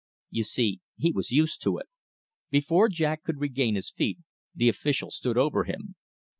You see, he was used to it. Before Jack could regain his feet the official stood over him.